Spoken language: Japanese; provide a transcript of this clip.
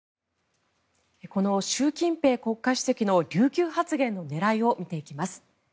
この習近平国家主席の琉球発言の狙いを見ていきます。